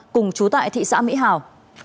cùng trú tại thị xã mỹ hào